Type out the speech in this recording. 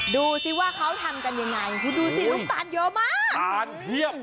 ดูสิว่าเขาทำกันยังไงคุณดูสิลูกตาลเยอะมากทานเพียบ